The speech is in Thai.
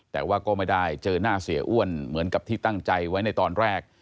แต่ว่าก็ไม่ได้เจอหน้าเสียอ้วนเหมือนกับที่ตั้งใจไว้ในตอนแรก